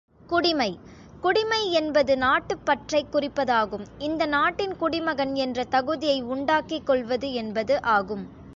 குடிமை குடிமை என்பது நாட்டுப்பற்றைக் குறிப்பதாகும் இந்த நாட்டின் குடிமகன் என்ற தகுதியை உண்டாக்கிக் கொள்வது என்பது ஆகும்.